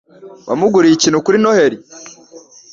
Wamuguriye ikintu kuri Noheri?